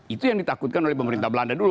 itu yang ditakutkan oleh pemerintah belanda dulu